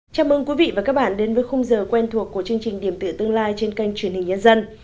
chào mừng quý vị và các bạn đến với khung giờ quen thuộc của chương trình điểm tựa tương lai trên kênh truyền hình nhân dân